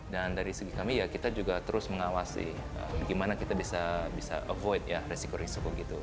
dan dari segi kami ya kita juga terus mengawasi bagaimana kita bisa avoid ya resiko resiko gitu